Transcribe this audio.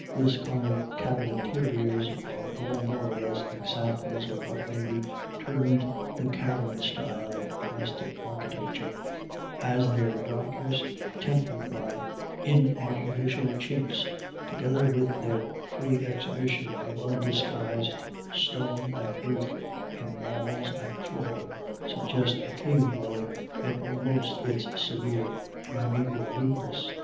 Lisconnel cabin interiors are all more or less examples of what A WET DAY. 89 may be termed the cavern style of domestic architecture, as their darkness tempered by in artificial chinks, together with their free exhibition of undisguised stone and earth in walls and flooring, suggest a cave dwelling in almost its severe primaeval rudeness.